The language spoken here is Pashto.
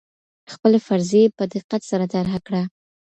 خپلي فرضې په دقت سره طرحه کړه.